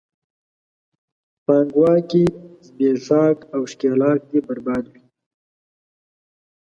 پانګواکي، زبېښاک او ښکېلاک دې برباد وي!